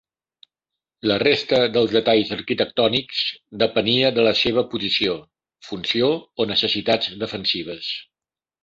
La resta dels detalls arquitectònics depenia de la seva posició, funció o necessitats defensives.